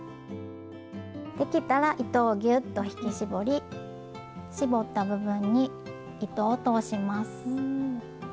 できたら糸をギューッと引き絞り絞った部分に糸を通します。